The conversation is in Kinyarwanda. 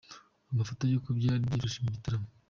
Amafoto y’uko byari byifashe mu gitaramo .